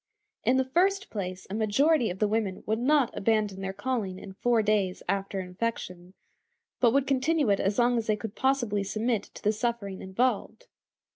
In the first place, a majority of the women would not abandon their calling in four days after infection, but would continue it as long as they could possibly submit to the suffering involved.